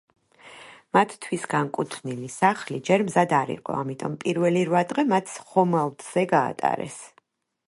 მათთვის განკუთვნილი სახლი ჯერ მზად არ იყო, ამიტომ პირველი რვა დღე მათ ხომალდზე გაატარეს.